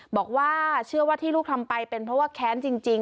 บอกว่าเชื่อว่าที่ลูกทำไปเป็นเพราะว่าแค้นจริง